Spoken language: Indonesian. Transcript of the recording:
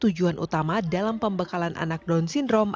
jadi tujuan utama dalam pembekalan anak down syndrome